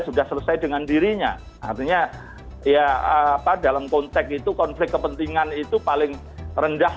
sudah selesai dengan dirinya artinya ya apa dalam konteks itu konflik kepentingan itu paling rendah